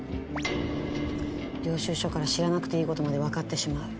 領収書から知らなくていいことまで分かってしまう。